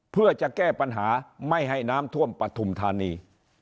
เพื่อจะแก้ปัญหาไม่ให้น้ำท่วมปฐุมธานี